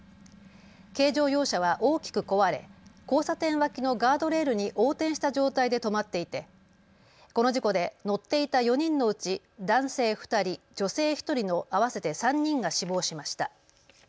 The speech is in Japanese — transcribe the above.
軽乗用車は大きく壊れ交差点脇のガードレールに横転した状態で止まっていてこの事故で乗っていた４人のうち男性２人、女性１人の合わせて３人が死亡しました。